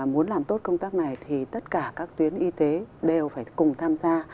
muốn làm tốt công tác này thì tất cả các tuyến y tế đều phải cùng tham gia